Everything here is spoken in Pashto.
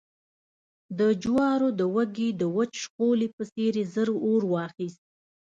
د جوارو د وږي د وچ شخولي په څېر يې ژر اور واخیست